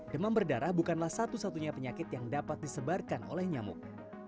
demam berdarah bukanlah satu satunya penyakit yang dapat disebarkan oleh nyamuk